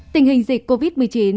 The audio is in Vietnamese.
tình hình dịch covid một mươi chín